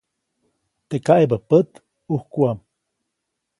Teʼ kaʼebä pät, ʼujkuʼam.